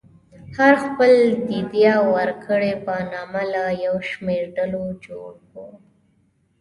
هر خېل د دیه ورکړې په نامه له یو شمېر ډلو جوړ و.